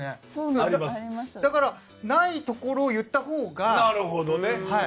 なのでないところを言ったほうが。